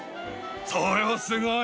それはすごい！